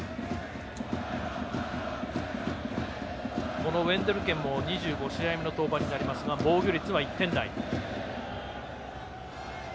このウェンデルケンも２５試合目の登板になりますが防御率は１点台。